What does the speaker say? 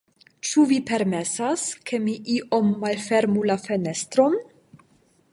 Ĉu vi permesas, ke mi iom malfermu la fenestron?